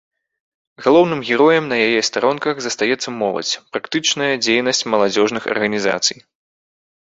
Галоўным героем на яе старонках застаецца моладзь, практычная дзейнасць маладзёжных арганізацый.